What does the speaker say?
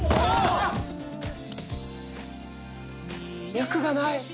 脈がない。